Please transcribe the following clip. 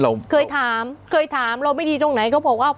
เราเคยถามเคยถามเราไม่ดีตรงไหนเขาบอกว่า